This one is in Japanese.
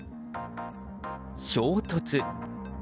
衝突。